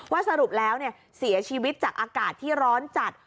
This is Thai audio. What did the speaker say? สรุปแล้วเสียชีวิตจากอากาศที่ร้อนจัด